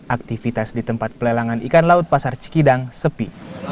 aktivitas di tempat pelelangan ikan laut pasar cikidang sepi